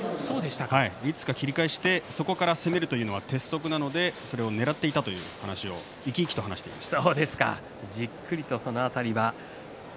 いつか切り返しでそこから攻めるというのは鉄則なのでそれをねらっていたと生き生きと話していました。